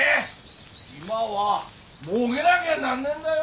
今はもうげなぎゃなんねえんだよ